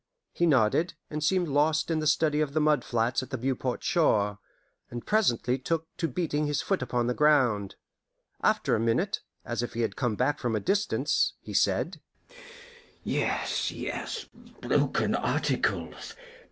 He nodded, and seemed lost in study of the mud flats at the Beauport shore, and presently took to beating his foot upon the ground. After a minute, as if he had come back from a distance, he said: "Yes, yes, broken articles.